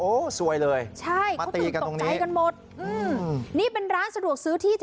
โอ้สวยเลยใช่มาตีกันตรงนี้ตกใจกันหมดอืมนี่เป็นร้านสะดวกซื้อที่